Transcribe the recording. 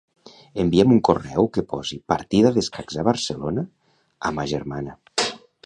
Envia'm un correu que posi "partida d'escacs a Barcelona" a ma germana.